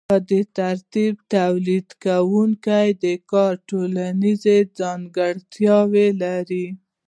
په دې ترتیب د تولیدونکي کار ټولنیزه ځانګړتیا لري